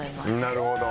なるほど。